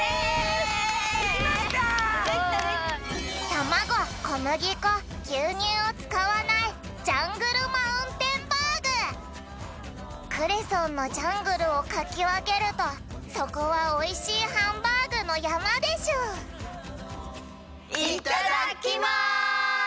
卵・小麦粉・牛乳を使わないクレソンのジャングルをかきわけるとそこはおいしいハンバーグの山でしゅいただきます！